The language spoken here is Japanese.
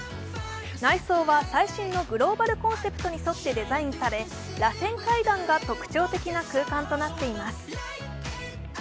内装は最新のグローバルコンセプトに沿ってデザインされらせん階段が特徴的な空間となっています。